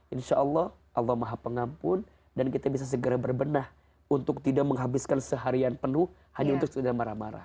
insya allah allah maha pengampun dan kita bisa segera berbenah untuk tidak menghabiskan seharian penuh hanya untuk segera marah marah